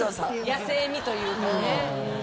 野性味というかね。